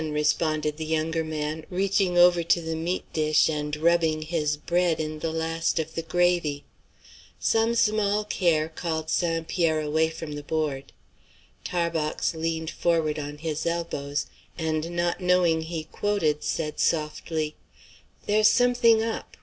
responded the younger man, reaching over to the meat dish and rubbing his bread in the last of the gravy. Some small care called St. Pierre away from the board. Tarbox leaned forward on his elbows, and, not knowing he quoted, said softly, "There's something up.